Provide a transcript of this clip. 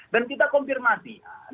dan kita konfirmasi